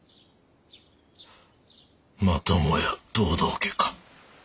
またもや藤堂家か。